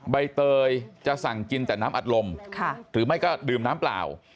ใบเตยจะสั่งกินแต่น้ำอัดลมหรือไม่ก็ดื่มน้ำเปล่า